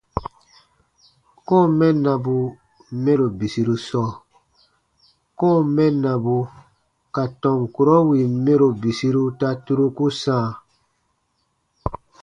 Kɔ̃ɔ mɛnnabu mɛro bisiru sɔɔ : kɔ̃ɔ mɛnnabu ka tɔn kurɔ wìn mɛro bisiru ta turuku sãa.